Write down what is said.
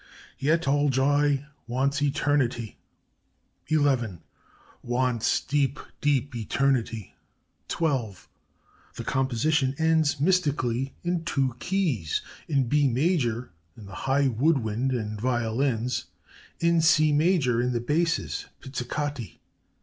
"'Yet all joy wants eternity, ...' "'ELEVEN! "'Wants deep, deep eternity!' "'TWELVE!' "The composition ends mystically in two keys in B major in the high wood wind and violins, in C major in the basses pizzicati.